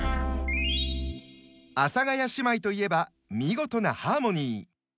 阿佐ヶ谷姉妹といえば見事なハーモニー。